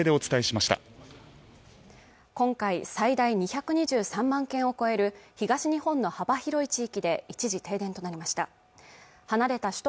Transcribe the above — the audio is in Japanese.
今回最大２２３万軒を超える東日本の幅広い地域で一時停電となりました